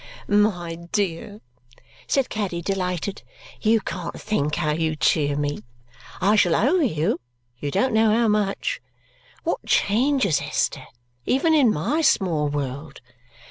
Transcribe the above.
"My dear," said Caddy, delighted, "you can't think how you cheer me. I shall owe you, you don't know how much. What changes, Esther, even in my small world!